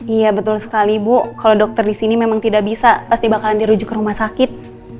iya betul sekali ibu kalau dokter di sini memang tidak bisa pasti bakalan dirujuk ke rumah sakit